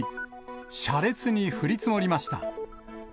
車列に降り積もりました。